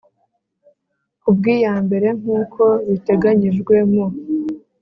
Nk ubw iya mbere nkuko biteganyijwe mu